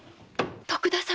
徳田様！